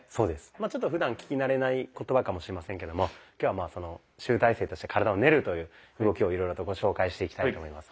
まあちょっとふだん聞き慣れない言葉かもしれませんけども今日は集大成として「体を練る」という動きをいろいろとご紹介していきたいと思います。